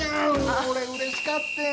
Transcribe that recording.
これ、うれしかってん。